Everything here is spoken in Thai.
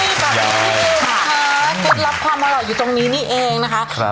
โอ้ยแบบนี้เองค่ะเก็บรับความอร่อยอยู่ตรงนี้นี่เองนะคะ